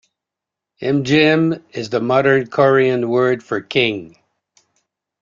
"Imgeum" is the modern Korean word for "King".